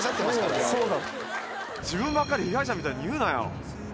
「自分ばっかり被害者みたいに言うなよ」